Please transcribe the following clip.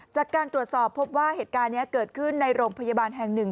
จากการตรวจสอบพบว่าเหตุการณ์นี้เกิดขึ้นในโรงพยาบาลแห่งหนึ่ง